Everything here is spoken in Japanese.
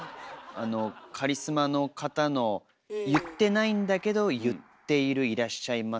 あのカリスマの方の言ってないんだけど言っている「いらっしゃいませ」